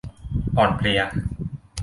อ่อนเพลีย